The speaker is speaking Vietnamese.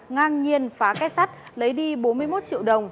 ngang nhiên phá kết sắt lấy đi bốn mươi một triệu đồng